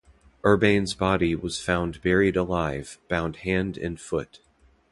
Urbain's body was found buried alive, bound hand and foot.